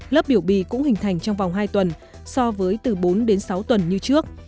lớp biểu bì cũng hình thành trong vòng hai tuần so với từ bốn đến sáu tuần như trước